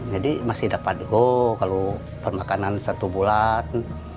jadi masih dapat oh kalau permakanan satu bulan